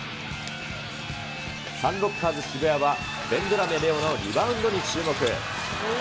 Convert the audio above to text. サンロッカーズ渋谷は、ベンドラメ礼生のリバウンドに注目。